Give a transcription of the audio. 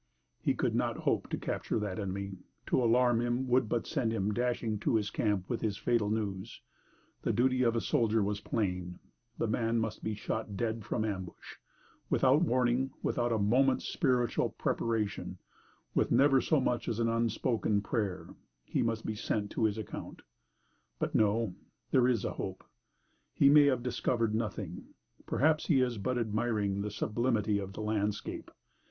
He could not hope to capture that enemy; to alarm him would but send him dashing to his camp with his fatal news. The duty of the soldier was plain: the man must be shot dead from ambush without warning, without a moment's spiritual preparation, with never so much as an unspoken prayer, he must be sent to his account. But no there is a hope; he may have discovered nothing; perhaps he is but admiring the sublimity of the landscape.